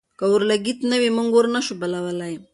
که اورلګیت نه وي، موږ اور نه شو بلولی.